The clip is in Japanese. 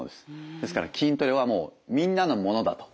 ですから筋トレはみんなのもの？